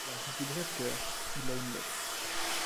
Il arrive de Crèvecoeur, il a une lettre.